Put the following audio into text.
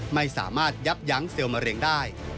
ไม่สามารถยับยั้งเซลล์มะเร็งได้